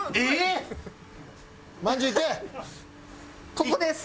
ここです！